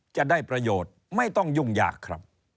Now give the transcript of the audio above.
จะได้ประโยชน์ไม่ต้องยุ่งยากครับ